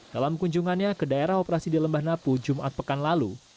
dalam kunjungannya ke daerah operasi di lembah napu jumat pekan lalu